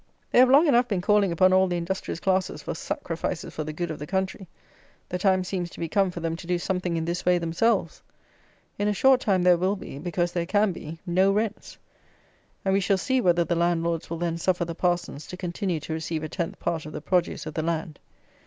They have long enough been calling upon all the industrious classes for "sacrifices for the good of the country." The time seems to be come for them to do something in this way themselves. In a short time there will be, because there can be, no rents. And, we shall see, whether the landlords will then suffer the parsons to continue to receive a tenth part of the produce of the land!